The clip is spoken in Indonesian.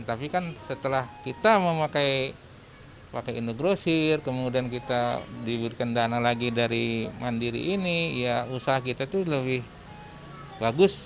tapi kan setelah kita memakai indogrosir kemudian kita diberikan dana lagi dari mandiri ini ya usaha kita itu lebih bagus